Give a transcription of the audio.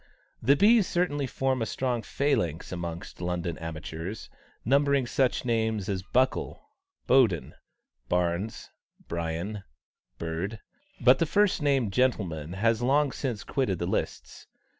The B's certainly form a strong phalanx amongst London amateurs, numbering such names as Buckle, Boden, Barnes, Brien, Bird; but the first named gentleman has long since quitted the lists.